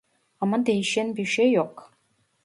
Ama değişen birşey yok